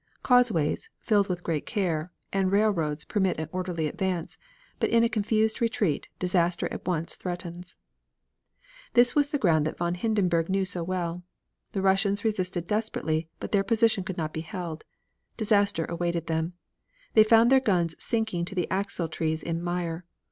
Causeways, filled with great care, and railroads permit an orderly advance, but in a confused retreat disaster at once threatens. This was the ground that von Hindenburg knew so well. The Russians resisted desperately, but their position could not be held. Disaster awaited them. They found their guns sinking to the axle trees in mire.